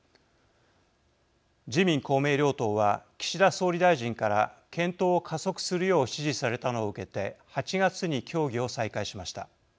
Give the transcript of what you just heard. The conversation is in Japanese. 自民・公明両党は岸田総理大臣から検討を加速するよう指示されたのを受けて８月に協議を再開しました。